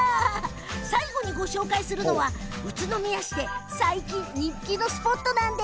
最後に、ご紹介するのは宇都宮市で最近人気のスポットなんです。